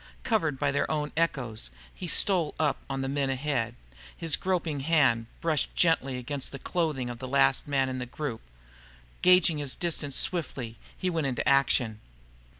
Covered by their own echoes, he stole up on the men ahead. His groping hand brushed gently against the clothing of the last man in the group. Gauging his distance swiftly, he went into action.